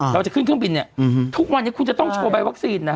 เราจะขึ้นเครื่องบินเนี่ยทุกวันนี้คุณจะต้องโชว์ใบวัคซีนนะ